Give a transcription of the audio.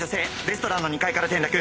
レストランの２階から転落。